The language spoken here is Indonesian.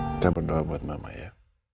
kita berdoa buat mama ya